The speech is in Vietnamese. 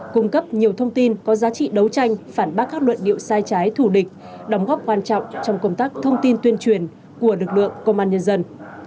cung cấp nhiều thông tin có giá trị đấu tranh phản bác các luận điệu sai trái thù địch đóng góp quan trọng trong công tác thông tin tuyên truyền của lực lượng công an nhân dân